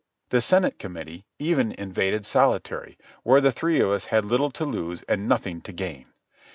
The Senate Committee even invaded solitary, where the three of us had little to lose and nothing to gain.